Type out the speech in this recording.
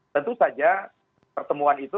tentu saja pertemuan itu